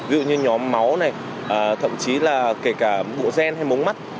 ví dụ như nhóm máu này thậm chí là kể cả bộ gen hay mống mắt